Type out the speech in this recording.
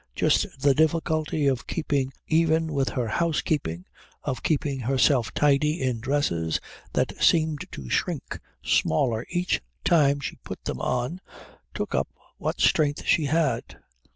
Just the difficulty of keeping even with her housekeeping, of keeping herself tidy in dresses that seemed to shrink smaller each time she put them on, took up what strength she had.